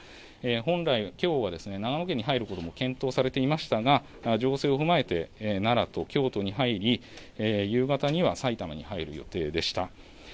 本来、きょうは長野県に入ることも検討されていましたが、情勢を踏まえて、奈良と京都に入り、夕方には埼玉に入る予定でした。